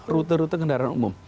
rute rute kendaraan umum